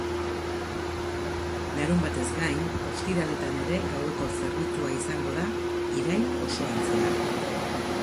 Larunbatez gain, ostiraletan ere gaueko zerbitzua izango da irail osoan zehar.